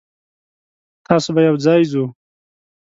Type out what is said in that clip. تاسو به یوځای ځو.